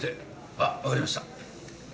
あわかりました。